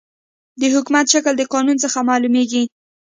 د حکومت شکل د قانون څخه معلوميږي.